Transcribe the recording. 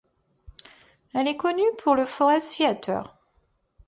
Elle est connue pour le Forest Theater.